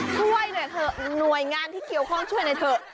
ช่วยหน่อยเถอะหน่วยงานที่เกี่ยวข้องช่วยหน่อยเถอะ